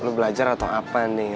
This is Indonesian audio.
lo belajar atau apa nih ya